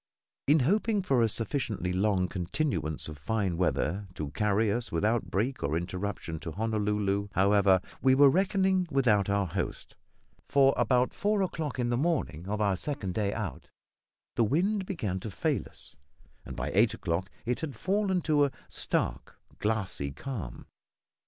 In hoping for a sufficiently long continuance of fine weather to carry us without break or interruption to Honolulu, however, we were reckoning without our host; for about four o'clock in the morning of our second day out, the wind began to fail us, and by eight o'clock it had fallen to a stark, glassy calm.